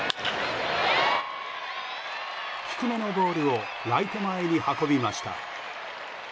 低めのボールをライト前に運びました。